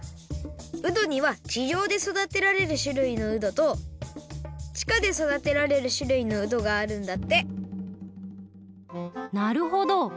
うどにはちじょうでそだてられるしゅるいのうどとちかでそだてられるしゅるいのうどがあるんだってなるほど。